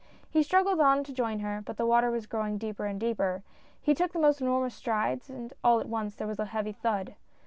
He struggled on to join her but the water was growing deeper and deeper. He took the most enormous strides, and all at once there was a heavy thud.